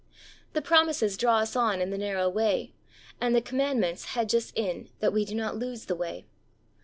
The promises draw us on in the narrow way, and the commandments hedge us in that we do not lose the way.